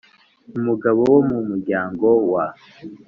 umugabo wo mu muryango wa